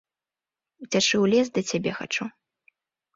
Уцячы ў лес да цябе хачу.